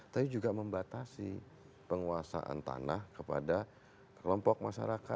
tapi juga membatasi penguasaan tanah kepada kelompok masyarakat